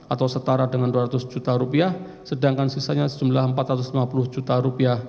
atau setara dengan dua ratus juta rupiah sedangkan sisanya sejumlah rp empat ratus lima puluh juta rupiah